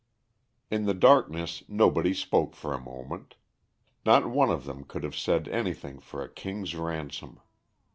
In the darkness nobody spoke for a moment. Not one of them could have said anything for a king's ransom.